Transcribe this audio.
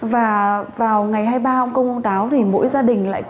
vâng thưa ông ngày cúng ông công ông táo là một truyền thống quan trọng của người dân việt nam